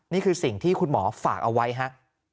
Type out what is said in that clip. นี่คือสิ่งที่คุณหมอฝากเอาไว้ฮะ